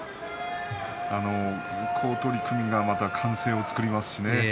好取組がまた歓声を作りますしね。